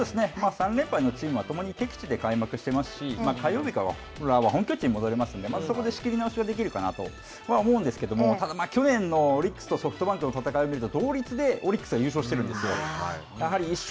３連敗のチームは、ともに敵地で開幕していますし、火曜日からは本拠地ですので、またそこで仕切り直しができたかなと思うんですけれども、ただ去年のオリックスとソフトバンクの戦いを見ると同率でオリックスが優勝しているんですよ。